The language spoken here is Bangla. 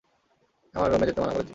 আমার রুমে যেতে মানা করেছিলাম।